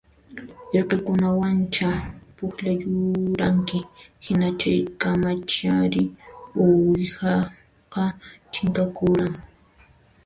Irqikunawancha pukllayuranki hina chaykamachari uwihaqa chinkakuran